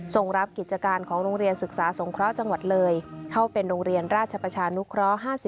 ส่งรับกิจการของโรงเรียนศึกษาสงเคราะห์จังหวัดเลยเข้าเป็นโรงเรียนราชประชานุเคราะห์๕๐